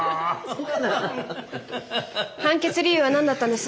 判決理由は何だったんです？